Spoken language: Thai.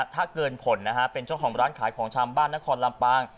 ถ้าเกินผลนะฮะเป็นเจ้าของร้านขายของชำบ้านนครลำปาง